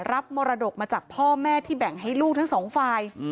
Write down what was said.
มรดกมาจากพ่อแม่ที่แบ่งให้ลูกทั้งสองฝ่าย